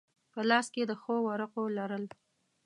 په لاس کې د ښو ورقو لرل.